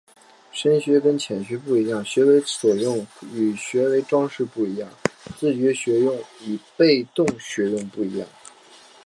深学与浅学不一样、学为所用与学为‘装饰’不一样、自觉学用与被动学用不一样